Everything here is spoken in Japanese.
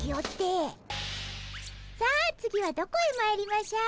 さあ次はどこへまいりましょう？